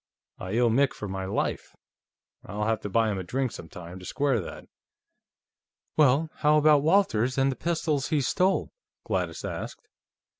I owe Mick for my life; I'll have to buy him a drink, sometime, to square that." "Well, how about Walters, and the pistols he stole?" Gladys asked.